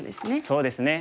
そうですね。